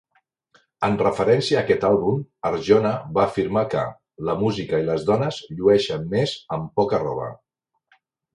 En referència a aquest àlbum, Arjona va afirmar que "la música i les dones llueixen més amb poca roba".